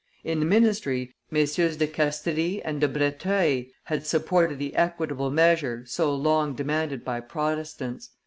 In the ministry, MM. de Castries and De Breteuil had supported the equitable measure so long demanded by Protestants.